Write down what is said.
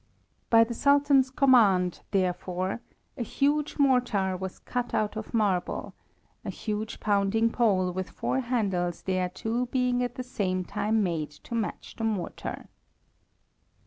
By the Sultan's command, therefore, a huge mortar was cut out of marble, a huge pounding pole with four handles thereto being at the same time made to match the mortar.